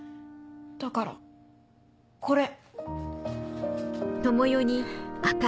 だからこれ。